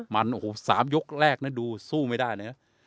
มันโอ้โห๓ยกแรกนะดูสู้ไม่ได้นะ